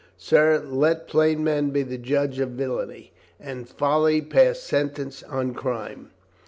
" "Sir, let plain men be the judges of villainy." "And folly pass sentence on crime."